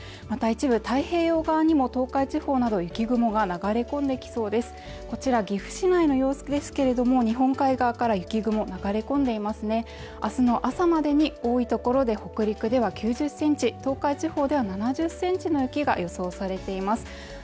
また一部、太平洋側にも東海地方など雪雲が流れ込んできそうですこちら岐阜市内の様子ですけれども日本海側から雪雲流れ込んでいますね明日の朝までに多い所で北陸では９０センチ東海地方では７０センチの雪が予想されています